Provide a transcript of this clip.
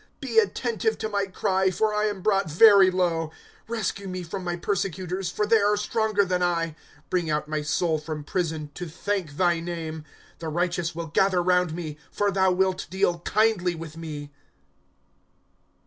' Be attentive to my cry, for I am brought very low. Rescue me from my persecutors, For they are stronger than I. ^ Bring out my soul from prison, To thank thy name. The righteous will gather round me ; For thou wilt deal kindly with me.